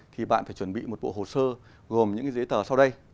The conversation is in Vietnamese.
thì bạn phải chuẩn bị một bộ hồ sơ gồm những giấy tờ sau đây